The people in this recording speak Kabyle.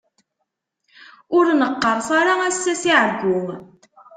Ur neqqerṣ ara ass-a si ɛeggu.